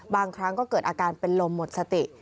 บางครั้งก็เกิดอาการเป็นลมหมดสติ